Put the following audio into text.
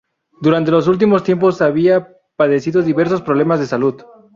Durante los últimos tiempos había padecido diversos problemas de salud.